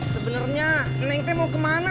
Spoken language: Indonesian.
sebenernya neng teh mau kemana tuh